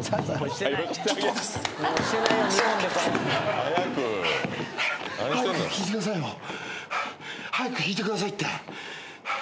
「早く！」早く引いてくださいって。